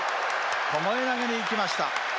巴投げにいきました。